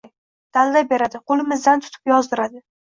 Dalda beradi, qo‘limizdan tutib yozdiradi.